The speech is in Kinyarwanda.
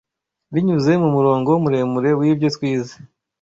Binyuze mumurongo muremure wibyo twize